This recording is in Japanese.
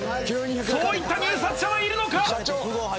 そういった入札者はいるのか！？